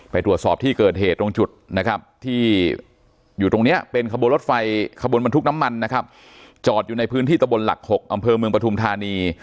ไปตรวจสอบที่เกิดเหตุตรงจุดนะครับที่อยู่ตรงนี้เป็นขบวนรถไฟขบวนบรรทุกน้ำมันนะครับจอดอยู่ในพื้นที่ตะบนหลัก๖อำเภอเมืองปฐุมธานี